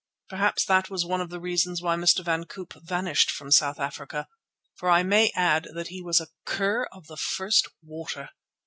Perhaps that was one of the reasons why Mr. van Koop vanished from South Africa, for I may add that he was a cur of the first water.